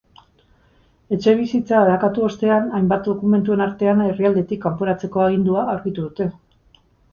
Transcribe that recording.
Etxebizitza arakatu ostean, hainbat dokumentuen artean herrialdetik kanporatzeko agindua aurkitu dute.